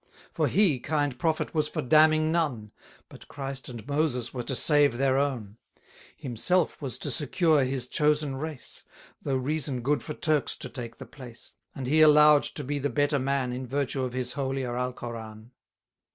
130 For he, kind prophet, was for damning none; But Christ and Moses were to save their own: Himself was to secure his chosen race, Though reason good for Turks to take the place, And he allow'd to be the better man, In virtue of his holier Alcoran.